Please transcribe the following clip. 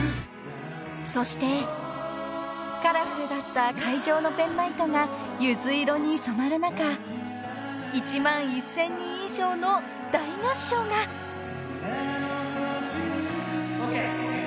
［そしてカラフルだった会場のペンライトがゆず色に染まる中１万１，０００人以上の大合唱が］ＯＫ大きな声で歌っちゃおう。